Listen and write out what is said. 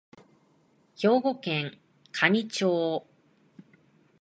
兵庫県香美町